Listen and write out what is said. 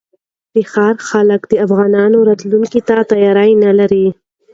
د ښار خلک د افغانانو راتګ ته تیاری نه لري.